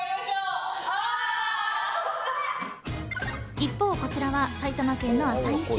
一方、こちらは埼玉県の朝西。